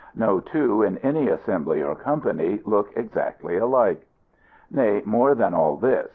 No two, in any assembly or company, look exactly alike. Nay, more than all this.